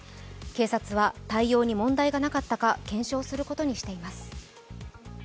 警察は対応に問題がなかったか検証することにしています。